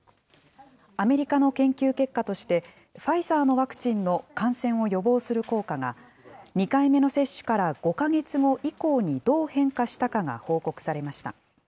アメリカの研究結果として、ファイザーのワクチンの感染を予防する効果が、２回目の接種から５か月後以降にどう変化したかが報告されました。